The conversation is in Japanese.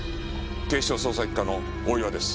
警視庁捜査一課の大岩です。